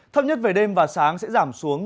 thấp nhất về đêm và sáng sẽ giảm xuống